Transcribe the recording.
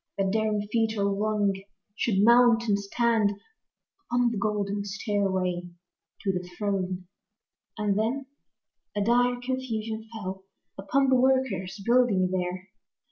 That daring feet ere long should mount and stand Upon the golden stairway to the throne. And then a dire confusion fell Upon the workers, building there.